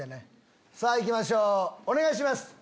さぁ行きましょうお願いします。